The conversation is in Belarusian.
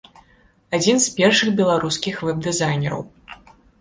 Адзін з першых беларускіх вэб-дызайнераў.